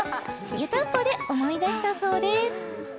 湯たんぽで思い出したそうです